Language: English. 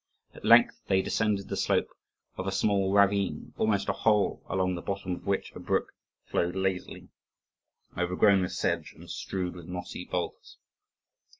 At length they descended the slope of a small ravine, almost a hole, along the bottom of which a brook flowed lazily, overgrown with sedge, and strewed with mossy boulders.